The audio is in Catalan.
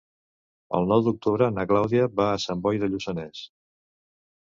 El nou d'octubre na Clàudia va a Sant Boi de Lluçanès.